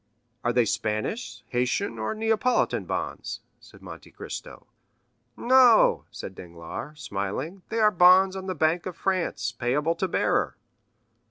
"Are they Spanish, Haitian, or Neapolitan bonds?" said Monte Cristo. "No," said Danglars, smiling, "they are bonds on the bank of France, payable to bearer.